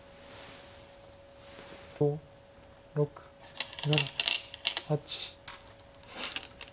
５６７８。